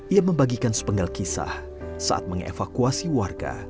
ia membagikan sepenggal kisah saat mengevakuasi warga